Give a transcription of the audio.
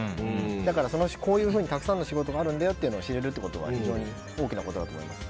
だから、こういうふうにたくさんの仕事があるんだよっていうのを知れるっていうのは非常に大きなことだと思います。